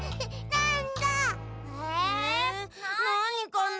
なにかな？